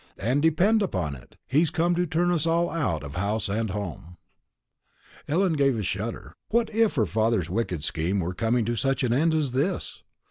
And, depend upon it, he's come to turn us all out of house and home." Ellen gave a faint shudder. What if her father's wicked scheming were to come to such an end as this!